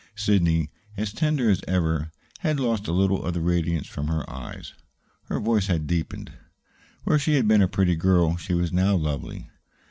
Sidney, as tender as ever, had lost a little of the radiance from her eyes; her voice had deepened. Where she had been a pretty girl, she was now lovely.